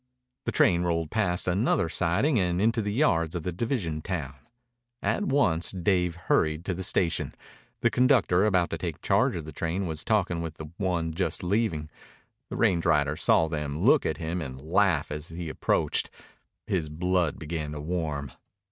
The train rolled past another siding and into the yards of the division town. At once Dave hurried to the station. The conductor about to take charge of the train was talking with the one just leaving. The range rider saw them look at him and laugh as he approached. His blood began to warm.